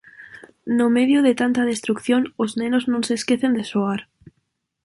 No medio de tanta destrución os nenos non se esquecen de xogar.